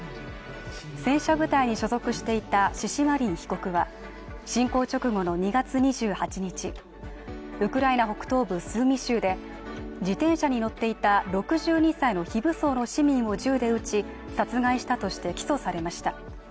戦車部隊に所属していたシシマリン被告は侵攻直後の２月２８日ウクライナ北東部スーミ州で自転車に乗っていた６２歳の非武装の市民を銃で撃ち殺害したとして起訴されました。